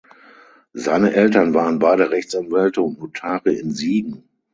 Seine Eltern waren beide Rechtsanwälte und Notare in Siegen.